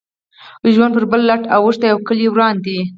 ژوند پر بل لټ اوښتی او کلی وران دی.